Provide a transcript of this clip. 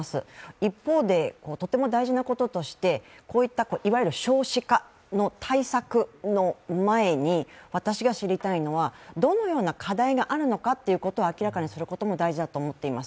一方でとても大事なこととして、いわゆる少子化の対策の前に、私が知りたいのはどのような課題があるのかということを明らかにすることも大事だと思っています。